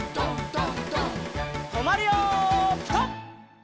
とまるよピタ！